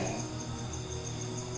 aku yakin aku bisa menerima perhatianmu